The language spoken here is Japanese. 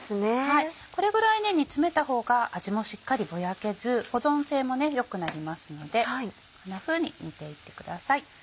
これぐらい煮詰めた方が味もしっかりぼやけず保存性もよくなりますのでこんなふうに煮ていってください。